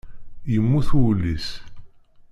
Yemmut wul-is.